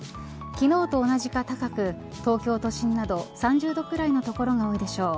昨日と同じか高く東京都心など３０度くらいの所が多いでしょう。